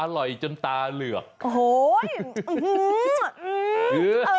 อร่อยจนตาเหลือก